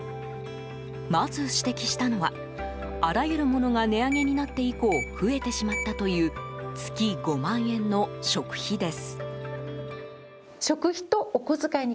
まず、指摘したのはあらゆるものが値上げになって以降増えてしまったという月５万円の食費です。